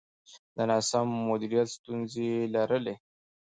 د ناسم مدیریت ستونزې یې لرلې.